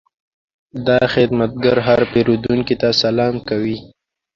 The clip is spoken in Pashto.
دا خدمتګر هر پیرودونکي ته سلام کوي.